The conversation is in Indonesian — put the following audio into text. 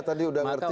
tadi udah ngerti